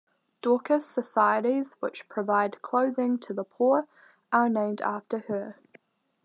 Dorcas societies, which provide clothing to the poor, are named after her.